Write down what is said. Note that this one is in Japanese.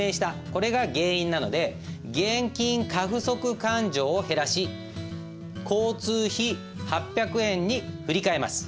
これが原因なので現金過不足勘定を減らし交通費８００円に振り替えます。